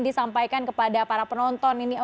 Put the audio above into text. disampaikan kepada para penonton ini